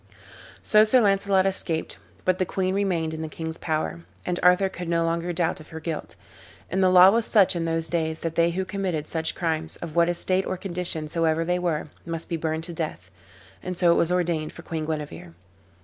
So Sir Launcelot escaped, but the queen remained in the king's power, and Arthur could no longer doubt of her guilt. And the law was such in those days that they who committed such crimes, of what estate or condition soever they were, must be burned to death, and so it was ordained for Queen Guenever.